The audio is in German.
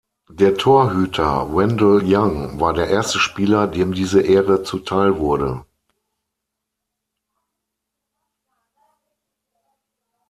Der Torhüter Wendell Young war der erste Spieler, dem diese Ehre zuteilwurde.